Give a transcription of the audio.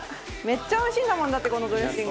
めっちゃおいしいんだもんだってこのドレッシング。